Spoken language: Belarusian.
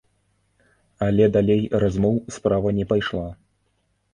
Але далей размоў справа не пайшла.